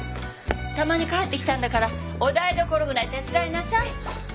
たまに帰ってきたんだからお台所ぐらい手伝いなさい。